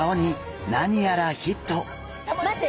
待って！